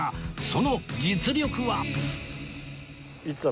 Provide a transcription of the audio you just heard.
その実力は